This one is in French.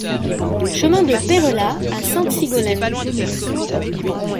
Chemin de Peyrelas à Sainte-Sigolène